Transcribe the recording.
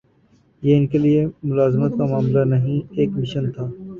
یہ ان کے لیے ملازمت کا معاملہ نہیں، ایک مشن تھا۔